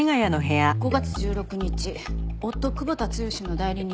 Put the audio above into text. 「５月１６日夫久保田剛の代理人